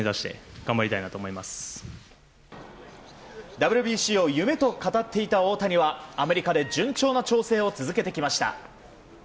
ＷＢＣを夢と語っていた大谷はアメリカで順調な調整を続けてきました。